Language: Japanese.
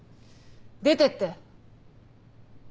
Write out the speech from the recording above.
出てって。